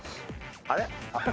あれ？